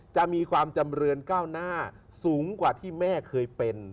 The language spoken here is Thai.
จะมีความจำเรินก้าวหน้าสูงกว่าที่แม่เคยเป็น